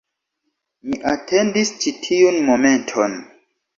Mi atendis ĉi tiun momenton